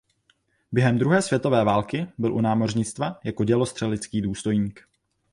Během druhé světové války byl u námořnictva jako dělostřelecký důstojník.